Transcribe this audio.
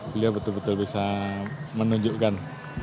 beliau betul betul bisa menunjukkan